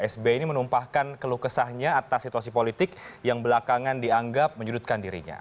sbi ini menumpahkan keluh kesahnya atas situasi politik yang belakangan dianggap menyudutkan dirinya